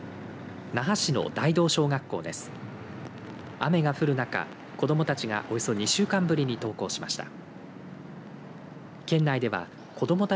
雨が降る中子どもたちがおよそ２週間ぶりに登校しました。